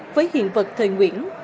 với hiện vật thời nguyễn